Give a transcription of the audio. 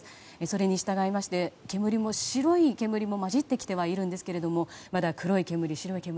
それに従いまして、白い煙もまじってきてはいますがまだ黒い煙、白い煙